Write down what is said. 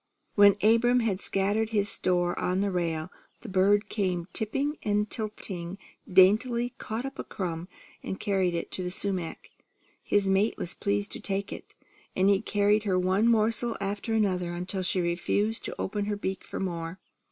When Abram had scattered his store on the rail, the bird came tipping and tilting, daintily caught up a crumb, and carried it to the sumac. His mate was pleased to take it; and he carried her one morsel after another until she refused to open her beak for more.